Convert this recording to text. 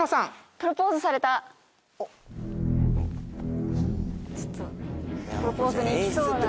プロポーズに行きそうな。